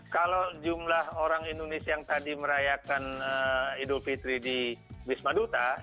kalau jumlah orang indonesia yang tadi merayakan idul fitri di wisma duta